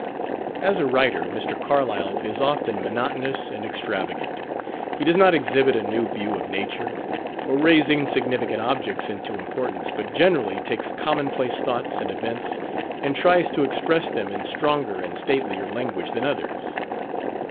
As a writer, Mr. Carlyle is often monotonous and extravagant. He does not exhibit a new view of nature, or raise insignificant objects into importance, but generally takes commonplace thoughts and events, and tries to express them in stronger and statelier language than others.